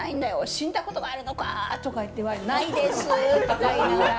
死んだことがあるのか！」とかって言われて「ないです！」とか言いながら。